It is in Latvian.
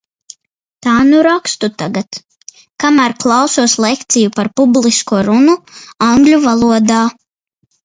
Tā nu rakstu tagad - kamēr klausos lekciju par publisko runu angļu valodā.